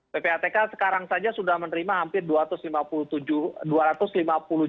ppatk sekarang saja sudah menerima hampir dua ratus lima puluh juta